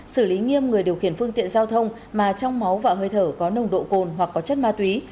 xử lý nghiêm người điều khiển phương tiện giao thông mà trong máu và hơi thở có nồng độ cồn hoặc có chất ma túy